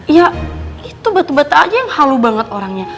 ya itu bete bete aja yang halu banget orangnya